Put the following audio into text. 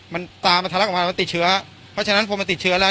มันตามันทะลักออกมามันติดเชื้อเพราะฉะนั้นพอมันติดเชื้อแล้ว